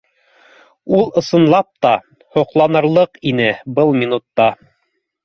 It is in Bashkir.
Ул, ысынлап та, һоҡланырлыҡ ине был минутта